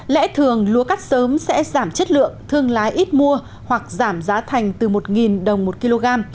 lẽ thường lúa cắt sớm sẽ giảm chất lượng thương lái ít mua hoặc giảm giá thành từ một đồng một kg